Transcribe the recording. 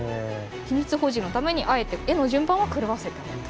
秘密保持のためにあえて絵の順番は狂わせてあると。